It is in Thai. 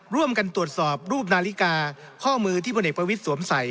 ร่วมกันตรวจสอบรูปนาฬิกาข้อมือที่พลเอกประวิทย์สวมใส่